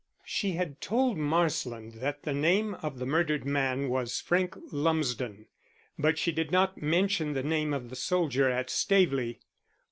She had told Marsland that the name of the murdered man was Frank Lumsden, but she did not mention the name of the soldier at Staveley.